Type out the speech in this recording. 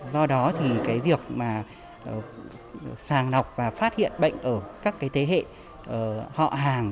do đó thì cái việc mà sàng lọc và phát hiện bệnh ở các cái thế hệ họ hàng